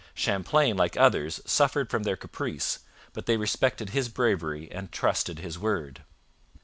Champlain, like others, suffered from their caprice, but they respected his bravery and trusted his word.